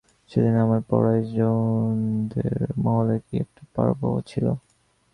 সেদিন আমাদের পাড়ায় জৈনদের মহলে কী একটা পরব ছিল।